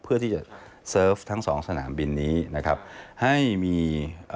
เพื่อที่จะเซิร์ฟทั้งสองสนามบินนี้